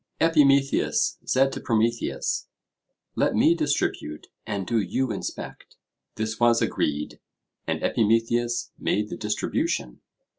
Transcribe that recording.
Epimetheus said to Prometheus: 'Let me distribute, and do you inspect.' This was agreed, and Epimetheus made the distribution.